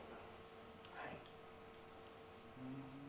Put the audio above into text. はい。